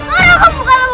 karena kamu gak lalu pak